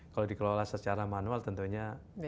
kalau dikelola secara manual tentunya